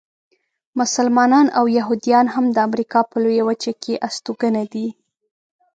مسلمانان او یهودیان هم د امریکا په لویه وچه کې استوګنه دي.